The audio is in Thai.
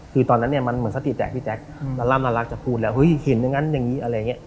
คือตอนนั้นเนี่ยมันเหมือนสติแตกพี่แจ๊คแล้วร่ำละลักจะพูดแล้วเฮ้ยเห็นอย่างนั้นอย่างนี้อะไรอย่างนี้